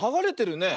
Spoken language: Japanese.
ねえ。